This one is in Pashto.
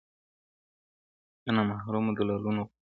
د نامحرمو دلالانو غدۍ-